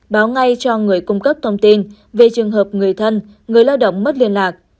báo ngay cho người cung cấp thông tin về trường hợp người thân người lao động mất liên lạc